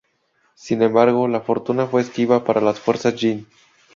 Sin embargo, la fortuna fue esquiva para las fuerzas Jin.